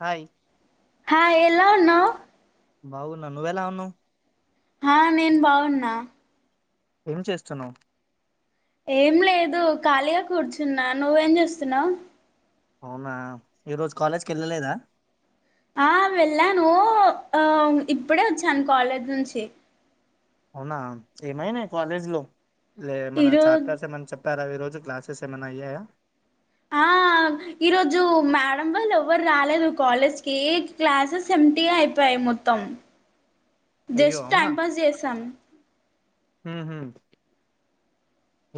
Hi hi ఎలా ఉన్నావ్ బాగున్న నువ్వు ఎలా ఉన్నావు హా నేను బాగున్నా ఏం చేస్తున్నావు ఏం లేదు ఖాళీగా కూర్చున్నా నువ్వేం చేస్తున్నావ్ అవునా ఈరోజు కాలేజ్ కి వెళ్ళలేదా ఆ వెళ్ళాను ఆ ఇప్పుడే వచ్చాను కాలేజ్ నుంచి అవునా ఏమైనయి కాలేజ్ లో లే మన ఈరోజు చాప్టర్స్ ఏమన్నా చె పారవి ఈ రోజ్ క్లాసెస్ ఏమన్నా అయ్యాయా ఆ ఈరోజు మేడం వాళ్ళు ఎవ్వరు రాలేదు కాలేజ్కి క్లాసెస్ ఎ ఉట్టిగ అయిపోయ మొత్తం అయ్యో జస్ట్ టైమ్ పాస్ చేసాం హ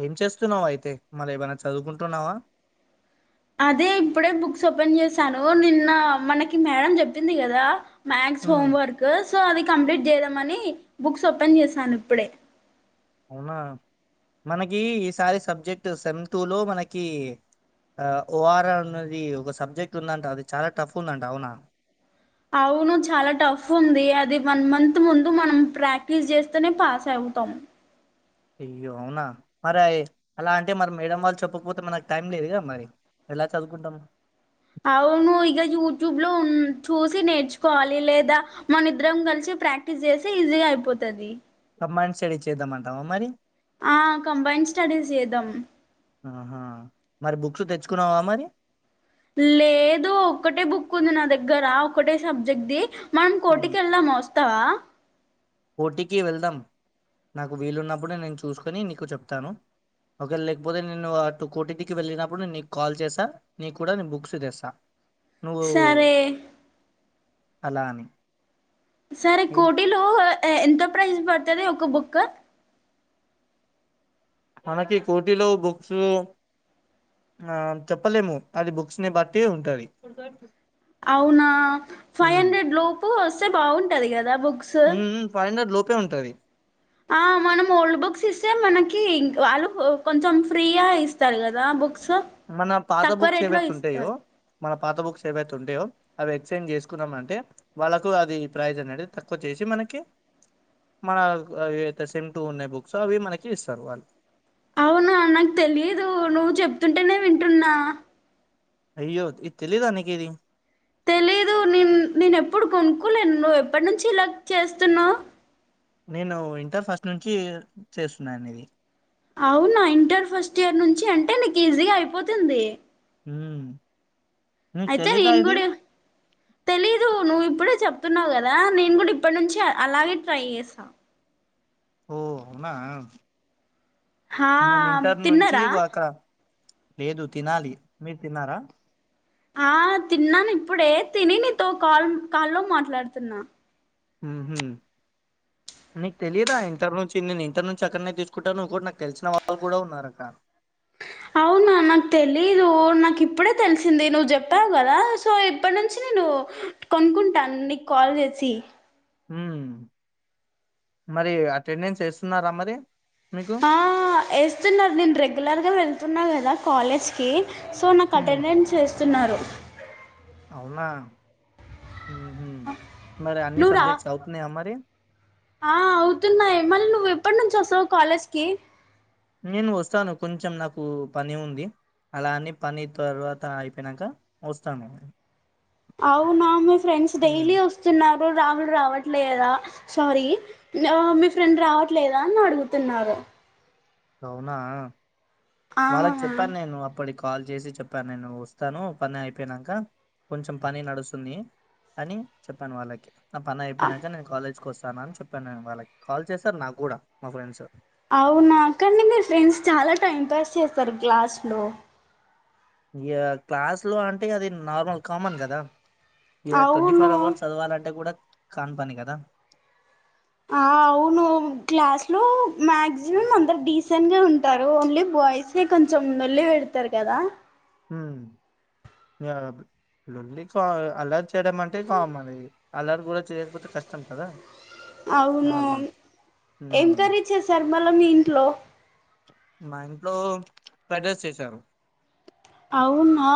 ఏం చేస్తున్నావు అయితే మరి ఏమైనా చదువుకుంటున్నావా అదే ఇప్పుడే బుక్స్ ఓపెన్ చేసాను నిన్న మనకి మేడం చెప్పింది కదా maths um, homework so అది కంప్లీట్ చేద్దామని బుక్స్ ఓపెన్ చేసాను ఇప్పుడే అవునా మనకి ఈసారి సబ్జెక్ట్ సెమ్ టు లో మనకి ఓఆర్ఆ అనేది ఒక సబ్జెక్ట్ ఉందంట అది చాలా టఫ్ ఉందంట అవునా అవును చాలా టఫ్ ఉంది అది వన్ మంత్ ముందు మనం ప్రాక్టీస్ చేస్తేనే పాస్ అవ తం అయ్యో అవునా మరి అ అలా అంటే మరి మేడం వాళ్ళు చెప్పకపోతే మనకు టైం లేదుగా మరి ఎలా చదువుకుంటానవ్ అవును ఇక యూట్యూబ్ లో ఉ చూసి నేర్చుకోవాలి లేదా మన ఇద్దరం కలిసి ప్రాక్టీస్ చేస్తే ఈజీగా అయిపోతది మైండ్ స్టడీ చేద్దమంటావ మరి ఆ కంబైన్డ్ స్టడీస్ చేదాం ఆహా మరి బుక్స్ తెచ్చుకున్నావా మరి లేదు ఒక్కటే బుక్ ఉంది నా దగ్గరా ఒకటే సబ్జెక్ట్ ది మనం కోటికెళ్దాం వస్తావా కోటీకి వెళ్దాం నాకు వీలున్నప్పుడే నేను చూసుకుని నీకు చెప్తాను ఒకవేల లేకపోతే నేను అటు కోటికి వెళ్ళినప్పుడు నేను నీకు కాల్ చేస్తా నీకు కూడా నేను బుక్స్ తెస్తా నువ్వు సరే అలా అని సరే ఏం- కోటిలో ఎంత ప్రైజ్ పడుతది ఒక బుక్ మనకి కోటీ లొ బుక్స్ ఆ చెప్పలేము అది బుక్స్ ని బట్టి ఉంటది అవునా ఫైవ్ హండ్రెడ్ లోపు వస్తే బాగుంటది కదా బుక్స్ ఉ ఉ ఫైవ్ హండ్రెడ్ లోపే ఉంటది ఆ మనం ఓల్డ్ బుక్స్ ఇస్తే మనకి వాళ్ళు కొంచెం ఫ్రీగ ఇస్తారు కదా బుక్స్ మన పాత తక్కువ బుక్స్ రేట్ లో ఏవైతే ఉంటాయో ఇస్తారు మన పాత బుక్స్ ఏవైతే ఉంటయో అవి ఎక్స్చేంజ్ చేసుకున్నాం అంటే వాళ్ళకు అది ప్రైజ్ అనేది తక్కువ చేసి మన మన అవి అయితే సేమ్ టూ ఉన్నాయి బుక్స్ అవి మనకి ఇస్తారు వాళ్ళు అవునా నాకు తెలియదు నువ్వు చెప్తుంటేనే వింటున్నా అయ్యో ఇది తెలీద నీకిది తెలీదు నేను నేను ఎప్పుడు కొనుక్కోలేను నువ్వు ఎప్పటి నుంచి ఇలా చేస్తున్నావు నేను ఇంటర్ ఫస్ట్ నుంచి చేస్తున్నాను ఇది అవునా ఇంటర్ ఫస్ట్ ఇయర్ నుంచి అంటే నీకు ఈజీగా అయిపోతుంది హ అయితే నేను కూడా తెలీదు నువ్వు ఇప్పుడే చెప్ప చెపుతున్నావు కదా నేను కూడా ఇప్పటి నుంచి అలాగే ట్రై చేస్తా ఓ అవునా హా నేను ఇంటర్ నుంచి తిన్నారా ఒక లేదు తినాలి మీరు తిన్నారా. ఆ తిన్నాను ఇప్పుడే తిని నీతో కాల్ కాల్లో మాట్లాడుతున్నా. మ్మ్ హ్మ్ నీకు తెలియదా ఇంటర్ నుంచి నేను ఇంటర్ నుంచి ఎక్కడ్నే తీసుకుంటా నువ్వు కూడా నక్ తెలిసిన వాళ్ళు కూడా ఉన్నారు అక్క అవునా నాకు తెలీదు నాకు ఇప్పుడే తెలిసింది నువ్వు చెప్పావు కదా సో ఇప్పటి నుంచి నేను కొనుకుంటాను నీ కాల్ రేసి హ్మ్మ్ మరి అటెండెన్స్ ఎస్తున్నారా మరి మీకు? ఆ ఏస్తున్నారు నేను రెగ్యులర్గా వెళ్తున్నా గదా కాలేజ్ కి సో నాకు హ్మ్. అటెండెన్స్ ఏస్తున్నారు అవునా మరి అన్ని నువ్వు రా సబ్జెక్ట్స్ అవుతున్నాయా మరి ఆ అవుతున్నాయి మళ్ళా నువ్వు ఎప్పటి నుంచి వస్తావు కాలేజ్ కి నేను వస్తాను కొంచెం నాకు పని ఉంది అలాని పని తర్వాత అయిపోయినాక వస్తాను అవును అవును మీ ఫ్రెండ్స్ హ్మ్. డైలీ వస్తున్నారు ఇప్పుడు రాహులు రావట్లేదా సారీ మీ ఫ్రెండ్ రావట్లేదా అని అడుగుతున్నారు అవునా ఆ వాళ్ళకి చెప్పాను నేను అప్పడీ కాల్ చేసి చెప్పాను నేను వస్తాను పని అయిపోయినాంక కొంచెం పని నడుస్తుంది అని చెప్పాను వాళ్ళకి నా పని అయిపోయినాక నేను కాలేజ్కి వస్తాను అని చెప్పాను నేను వాళ్ళకి కాల్ చేశారు నాకు కూడా మా ఫ్రెండ్స్ అవున అక్కడి మీరు ఫ్రెండ్స్ చాలా టైం పాస్ చేస్తారు క్లాస్ లో ఇగా క్లాస్ లో అంటే అది నార్మల్ కామన్ కదా ఇగా ట్వంటీ అవును ఫోర్ అవర్స్ చదవాలంటే కూడా కాన్ పని కదా ఆ అవును క్లాస్ లో మాక్సిమం అందరు డీసెంట్ గా ఉంటారు ఓన్లీ బా బాయ్స్ ఎ కొంచెం నొల్లి పెడతారు కదా హ్మ్మ్ ఇయబ్ ల్లి కా అల్లారు చేయడం అంటే కామన్ నే అల్లరి కూడా చేయకపోతే కష్టం కదా అవును నార్మల్ ఏం ఉమ్ కర్రీ చేసార్ మళ్ళా మీ ఇంట్లో మా ఇంట్లో ఫ్రైడ్ రైస్ చేసారు అవునా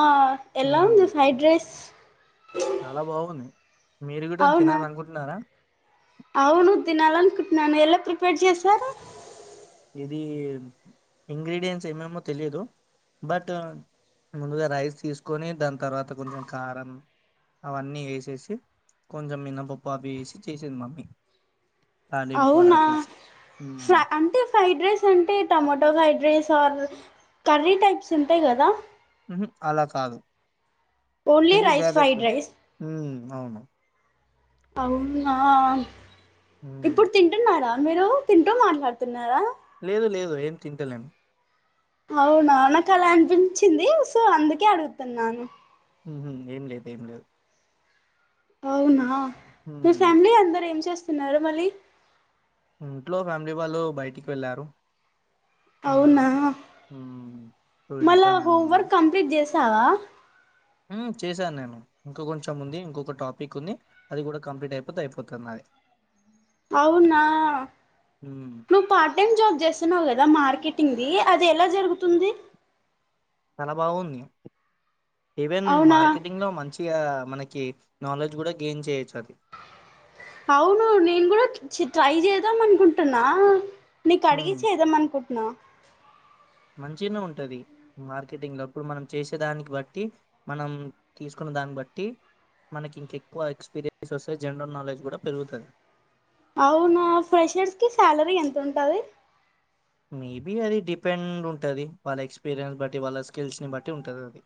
ఎలా ఉంది ఫ్రైడ్ రైస్ చాలా బాగుంది మీరు కూడా అవునా తినాలనుకుంటున్నారా అవును తినాల నుకుంటన్నాను ఎలా ప్రిపేర్ చేశారు ఇది ఇంగ్రీడియంన్ట్స్ ఏమేమో తెలియదు బట్ ముందుగా రైస్ తీసుకొని దాని తర్వాత కొంచెం కారం అవన్నీ వేసేసి కొంచెం మినపప్పు అవి వేసి చేసింది మమ్మీ తాలింపు అలా అవునా చేసి ఉమ్ ఫ్రా అంటే ఫ్రైడ్ రైస్ అంటే tomato fried rice or curry types ఉంటాయి కదా అలా కాదు ఓన్లీ ఇది రైస్ డ్యగె్ ఫ్రైడ్ రైస్ అవును అవునా హ్మ్. ఇప్పుడు తింటున్నారా మీరు తింటూ మాట్లాడుతున్నారా లేదు లేదు ఏం తింటలేన్ అవునా నాకు అలా అనిపించింది సో అందుకే అడుగుతున్నాను ఏం లేదు ఏం లేదు అవునా మీ హ్మ్. ఫ్యామిలీ అందరు ఏం చేస్తున్నారు మళ్ళీ ఇంట్లో ఫ్యామిలీ వాళ్ళు బయటికి వెళ్ళారు అవునా హ్మ్. సో, మళ్ళా ఇంట్లో నేనున్నాను. హమవర్క్ కంప్లీట్ చేస్ తావా చేశాను నేను ఇంకా కొంచెం ఉంది ఇంకొక టాపిక్ ఉంది అది కూడా కంప్లీట్ అయిపోతే అయిపోతది నాది అవునా హ్మ్. నువ్ పార్ట్ టైమ్ జాబ్ చేస్తుాన్నావు కదా కా మార్కెటింగ్దిి అది ఎలా జరుగుతుంది ఆ బాగుంది ఈవెన్ అవునా మార్కెటింగ్ లో మంచిగా మనక్ కి నాలెడ్జ్ కూడా గెన్ చేయొచ్చు అది. అవును నేను కూడా ట్రై చేద్దాం అనుకుంటున్నా నీకి అడిగి హ్మ్. చేద్దాం అనుకుంటున్నా మంచిగనే ఉంటది మార్కెటింగ్ లో ఇప్పుడు మనం చేసేదానికి బట్టి మనం తీసుకున్న దా దాన్ని బట్టి మనకి ఇంక ఎక్కువ ఎక్స్పీరియన్స్ వస్తే జనరల్ నాలెడ్జ్ కూడా పెరుగుతది అవునా ఫ్రెషర్స్ కి శాలరీ ఎంత ఉంటది మేబి అది డిపెండ్ ఉంటది వాళ్ళ ఎక్స్పీరియన్స్ బట్టి వాళ్ళ స్కిల్స్ ని బట్టి ఉంటది అది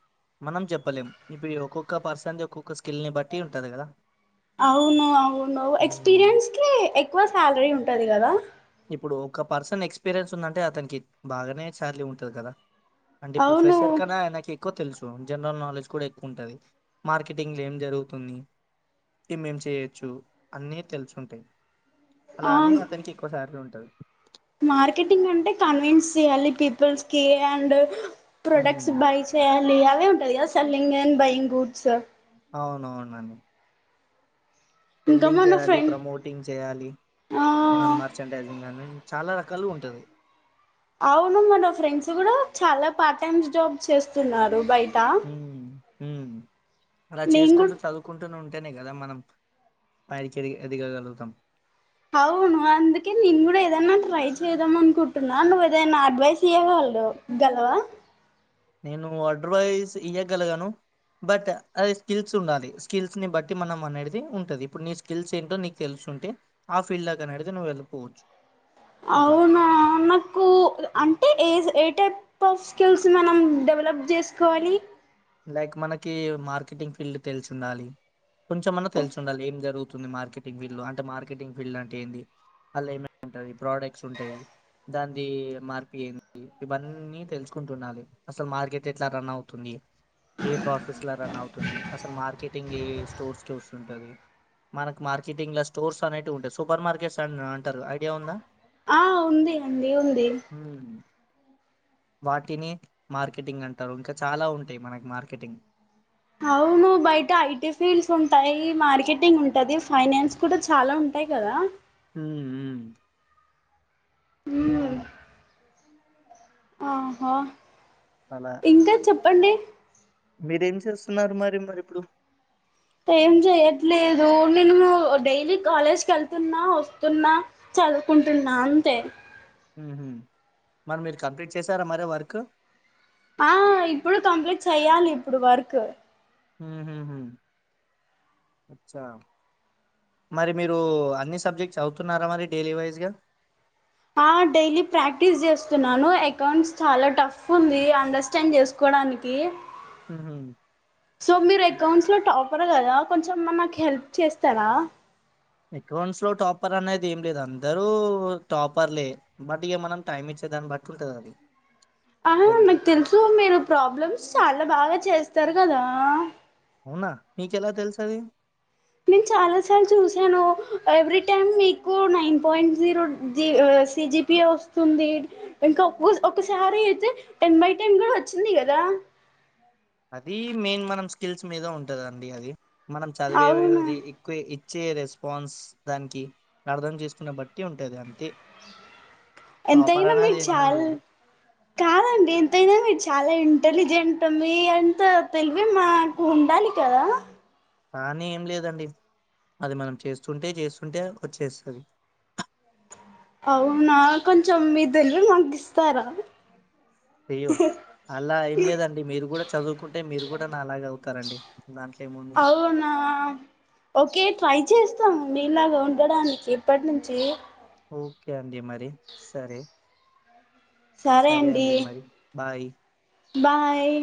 మనం చెప్పలేం ఇప్పుడు ఈ ఒక్కొక్క పర్సన్ ఒక్కొక్క స్కిల్ ని బట్టి ఉంటది కదా అవును అవును మ్మ్ ఎక్స్పీరియన్స్ కి ఎక్కువ శాలరీ ఉంటది కదా ఇప్పుడు ఒక పర్సన్ ఎక్స్పీరియన్స్ ఉందంటే అతనికి బాగానే శాలరీ ఉంటది కదా అంటే ఇప్పుడు అవును ఫ్రెసర్ కన్నా ఆయనక ఎక్కువ తెలుసు జనరల్ నాలెడ్జ్ కూడా ఎక్కువ ఉంటది మార్కెటింగ్ లో ఏం జరుగుతుంది ఇ మేం చేయొచ్చు అన్నీ తెలుసుంటాయి ఆ అలానే అతనికి ఎక్కువ సార్లు ఉంటది మార్కెటింగ్ అంటే కన్విన్స్ చేయాలి పీపుల్స్ కి అండ్ హ్మ్ ప్రోడక్ట్స్ బై చేయాలి అవే ఉంటది కదా సెల్లింగ్ అండ్ బైయింగ్ గూడ్స్ అవునవునండి ఇంకా సెల్లింగ్ మన చేయాలి ఫ్రెండ్ ప్రమోటింగ్ చేయాలి ఆ మనం మర్చంటైజింగ్ అని చాలా రకాలు ఉంటది అవును మన ఫ్రెండ్స్ కూడా చాలా పార్ట్ టైమ్ జాబ్ చేస్తున్నారు బయట మ్.. మ్ అలా నేను చేసుకుంటూ కూడా చదువుకుంటూనే ఉంట అటనే కదా మనం పైకిది ఎదగగలుగుతాం అవును అందుకే నేను కూడా ఏదైనా ట్రై చేదాం అనుకుంటున్నా నువ్వు ఏదైనా అడ్వైజ్ ఇయ్యగ హలో గలవా నేను ఎడ్వైజ్ ఇయగలగను బట్ అది స్కిల్స్ ఉండాలి స్కిల్స్ ని బట్టి మనం అనేది ఉంటది ఇప్పుడు నీ స్కిల్స్ ఏంటో నీకు తెలుసు ంటే ఆ ఫీల్డ్ దాకా అడితే నువ్వు వెళ్ళిపోచ్చు అవునా నాకు అంటే ఏ ఏ టైప్ ఆఫ్ స్కిల్స్ మనం డెవలప్ జేసుకోవాలి లైక్ మనకి మార్కెటింగ్ ఫీల్డ్ తెలిసి ఉండాలి కొంచెంమన్నా తెలిసిండాలి ఏం జరుగుతుంది మార్కెటింగ్ ఫీల్డ్ లో అంటే మార్కెటింగ్ ఫీల్డ్ అంటే ఏంటది దానిలొ ఏమేం ఉంటది ప్రోడక్ట్స్ ఉంటాయి దాంది మార్పి ఏంది ఇవన్నీ తెలుసుకుంటుండాలి అసలు మార్కెట్ ఎట్లా రన్ అవుతుంది ఏ ప్రాసెస్లా రన్ అవుతుంది అసలు మార్కెటింగ్ ఏ స్టోర్స్ కి వస్తుంటుది మనకు మార్కెటింగ్ లో స్టోర్స్ అనేటివి ఉంటాయి సూపర్ మార్కెట్స్ అ అంటారు ఐడియా ఉందా ఆ ఉంది అండి ఉంది ఉమ్ వాటిని మార్కెటింగ్ అంటారు ఇంకా చాలా ఉంటయి మనకి మార్కెటింగ్ అవును బయట ఐటీ ఫీల్డ్స్ ఉంటాయి మార్కెటింగ్ ఉంటది ఫైనాన్స్ కూడా చాలా ఉంటాయి కదా మ్.. మ్ అవును ఆ హ అలా ఇంకా చెప్పండి మీరేం చేస్తున్నారు మరి మరి ఇప్పుడు అంటే ఏం చెయట్లేదు నేను డైలీ కాలేజ్కి వెళ్తున్నా వస్తున్నా చదువుకుంటున్నా అంతే మ్ హుమ్ మరి మీరు కంప్లీట్ చేసారా మరి వర్క్ ఆ ఇప్పుడు కంప్లీట్ చెయ్యాలి ఇప్పుడు వర్క్ మ్... హు. ‌హుమ్ అచ్చా మరి మీరు అన్ని సబ్జెక్ట్స్ అవుతున్నారా మరి డైలీ వైజ్గా ఆ డైలీ ప్రాక్టీస్ చేస్తున్నాను అకౌంట్స్ చాలా టఫ్ ఉంది అండర్స్టాండ్ చేసుకు డానికీ ఉహు సో మీరు అకౌంట్స్ లో టాప్ ప్పరు కదా కొంచెం మనకు హెల్ప్ చేస్తారా అకౌంట్స్ లో టాపర్ అనేది ఏం లేదు అందరూ టాపర్లే బట్ ఇక మనం టైం ఇచ్చ ఇగ దాని బట్టుంటదది ఆ నాకు తెలుసు మీరు ప్రాబ్లమ్స్ చాలా బాగా చేస్తారు గదా అవునా మీ కేలా తెల్సది? నేన్ చాలా సార్ల్ చూసాను ఎవ్రీ టైమ్ మీకు నైన్ పాయింట్ జీరో ది ఆ సి జి పి ఎ వస్తుంది ఇంక ఉస్ ఒకసారి అయితే టెన్ బై టెన్ గూడ వచ్చింది గదా అదీ మెయిన్ మనం స్కిల్స్ మీద ఉంటదండి అది, మనం అవునా చదివేది ఎక్కువే ఇచ్ చ్చే రెస్పాన్స్ దానికి అర్థం జేసుకున్న బట్ ట్టి ఉంటది అంతే ఎంతైనా టాపరనేది మీరు ఏం చాలా లేదు కాదండి ఎంతైనా మీరు చాలా ఇంటెలిజెంట్ మీ అంత తెలివి మాకు ఉండ లి కదా అలానీ ఏం లేదండి అది మనం చేస్తుంటే జేస్తుంటే వచ్చేస్తది అవునా కొంచెం మిక్ దెల్వని మాకిస్తారా అయ్యో అలా ఏం లేదండి మీరు గూడ చదువుకుంటే మీరు గూడ నాలాగ అవుతారండి దాంట్లో ఏముంది అవునా ఓకే ట్రై చేస్తామ్ మీలాగా ఉండడానికి ఇప్పటి నుంచి ఓకే అండి మరి సరే సరే అండి మరి బాయ్ బాయ్